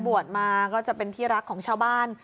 บวชมาก็จะเป็นที่รักของชาวบ้าน